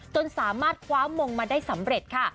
จนสามารถคว้ามงมาได้สำเร็จค่ะ